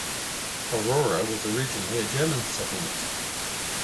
Aurora was originally a German settlement.